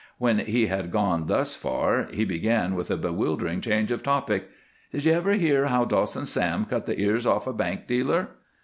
When he had gone thus far he began with a bewildering change of topic. "Did you ever hear how Dawson Sam cut the ears off a bank dealer?"